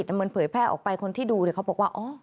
แต่มันเผยแพร่ออกไปคนที่ดูเขาบอกว่า